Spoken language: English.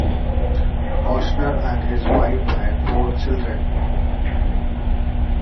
Ochsner and his wife had four children.